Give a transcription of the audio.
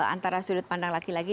antara sudut pandang laki laki